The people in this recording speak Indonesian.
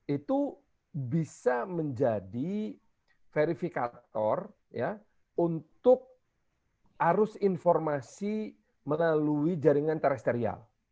itu bisa menjadi verifikator untuk arus informasi melalui jaringan terestrial